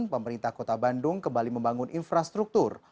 pemerintah kota bandung kembali membangun infrastruktur